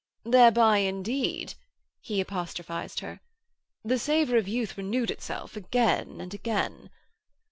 'Thereby indeed,' he apostrophised her, 'the savour of youth reneweth itself again and again....